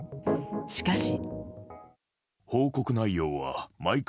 しかし。